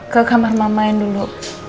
ke kamar mama yang dulu